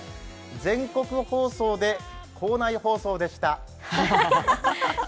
全国放送で、校内放送でした。